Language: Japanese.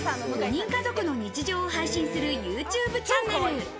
５人家族の日常を配信するＹｏｕＴｕｂｅチャンネル。